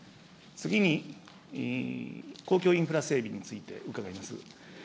次に、公共インフラ整備について伺います。